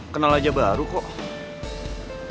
kenal aja baru kok